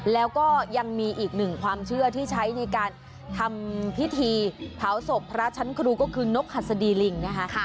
แล้วก็ยังมีอีกหนึ่งความเชื่อที่ใช้ในการทำพิธีเผาศพพระชั้นครูก็คือนกหัสดีลิงนะคะ